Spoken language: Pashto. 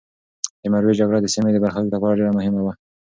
د مروې جګړه د سیمې د برخلیک لپاره ډېره مهمه وه.